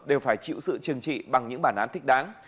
đều phải chịu sự trừng trị bằng những bản án thích đáng